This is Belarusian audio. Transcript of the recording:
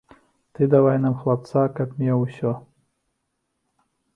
Ты давай нам хлапца, каб меў усё.